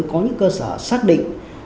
có những cơ sở xác định